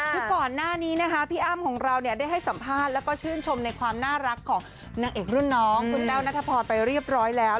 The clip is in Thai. คือก่อนหน้านี้นะคะพี่อ้ำของเราเนี่ยได้ให้สัมภาษณ์แล้วก็ชื่นชมในความน่ารักของนางเอกรุ่นน้องคุณแต้วนัทพรไปเรียบร้อยแล้ว